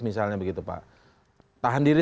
misalnya begitu pak tahan diri